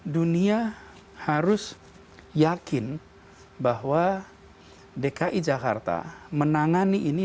dunia harus yakin bahwa dki jakarta menangani ini